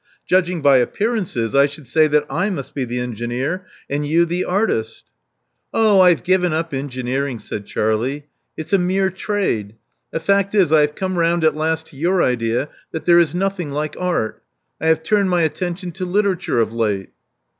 Judg ing by appearances, I should say that I must be the engineer and you the artist. '*^ 396 Love Among the Artists Oh, I've given up engineering," said Charlie. It's a mere trade. The fact is, I have come round at last to your idea that there is nothing like Art. I have turned my attention to literature of late."